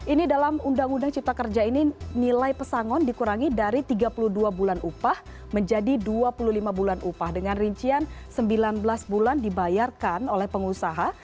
ini dalam undang undang cipta kerja ini nilai pesangon dikurangi dari tiga puluh dua bulan upah menjadi dua puluh lima bulan upah dengan rincian sembilan belas bulan dibayarkan oleh pengusaha